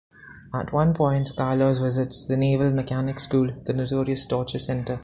At one point, Carlos visits the Naval Mechanics School, the notorious torture center.